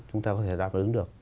chúng ta có thể đáp ứng được